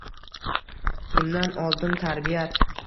Kimdan oldim tarbiyat?